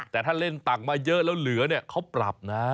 แต่ถ้าเล่นตักมาเยอะแล้วเหลือเนี่ยเขาปรับนะ